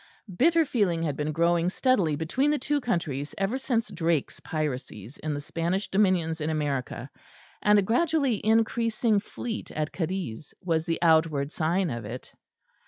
Bitter feeling had been growing steadily between the two countries ever since Drake's piracies in the Spanish dominions in America; and a gradually increasing fleet at Cadiz was the outward sign of it.